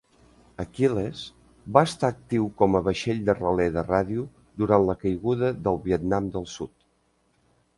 "Achilles" va estar actiu com a vaixell de relé de ràdio durant la caiguda del Vietnam del Sud.